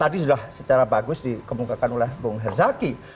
dan secara bagus dikemukakan oleh bung herzaki